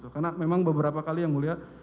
karena memang beberapa kali yang mulia